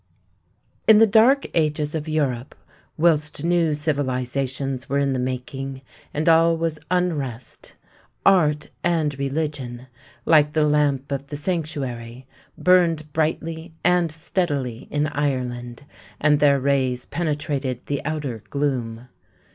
In the dark ages of Europe, whilst new civilizations were in the making and all was unrest, art and religion, like the lamp of the sanctuary, burned brightly and steadily in Ireland, and their rays penetrated the outer gloom.